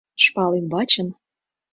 шпал ӱмбачын